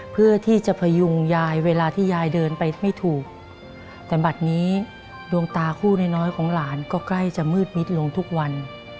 เพื่อที่จะพยุงยายเวลาที่ยายเดินไปไม่ถูกแต่บัตรนี้ดวงตาคู่น้อยของหลานก็ใกล้จะมืดมิดลงทุกวัน